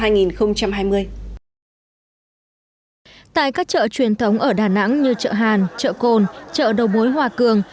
tại các chợ truyền thống ở đà nẵng như chợ hàn chợ cồn chợ đầu mối hòa cường